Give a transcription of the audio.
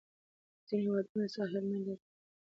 ځینې هیوادونه ساحل نه لري.